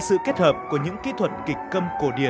sự kết hợp của những kỹ thuật kịch câm